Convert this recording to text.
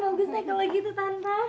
bagus ya kalau gitu tanta